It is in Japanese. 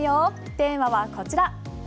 テーマはこちら。